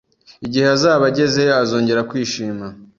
Igihe azaba agezeyo, azongera kwishima